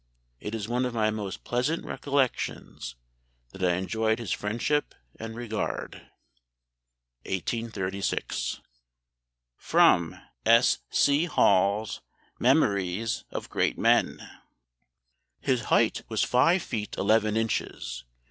It is one of my most pleasant recollections that I enjoyed his friendship and regard." 1836. [Sidenote: S. C. Hall's Memories of Great Men.] "His height was five feet eleven inches.